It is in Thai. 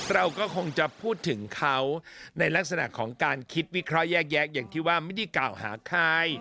เราก็คงจะพูดถึงเขาในลักษณะของการคิดวิเคราะห์แยกแยะอย่างที่ว่าไม่ได้กล่าวหาใคร